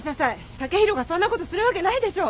剛洋がそんなことするわけないでしょう。